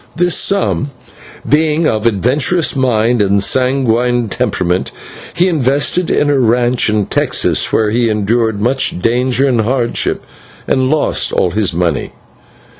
This sum, being of adventurous mind and sanguine temperament, he invested in a ranch in Texas, where he endured much danger and hardship, and lost all his money.